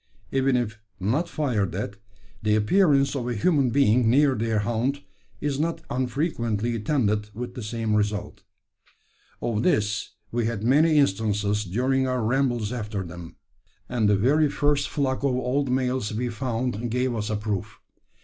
Even if not fired at, the appearance of a human being near their haunt is not unfrequently attended with the same result. Of this we had many instances during our rambles after them, and the very first flock of old males we found gave us a proof.